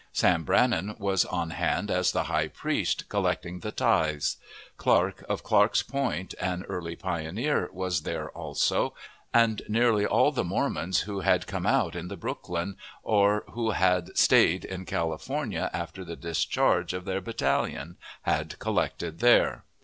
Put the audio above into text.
Sam Brannan was on hand as the high priest, collecting the tithes. Clark, of Clark's Point, an early pioneer, was there also, and nearly all the Mormons who had come out in the Brooklyn, or who had staid in California after the discharge of their battalion, had collected there.